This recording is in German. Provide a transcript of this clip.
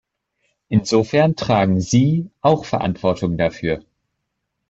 Insofern tragen Sie auch Verantwortung dafür.